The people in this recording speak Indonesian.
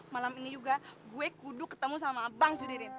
malam ini juga gue kuduk ketemu sama bang sudirin